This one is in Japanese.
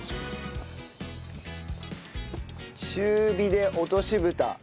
中火で落とし蓋。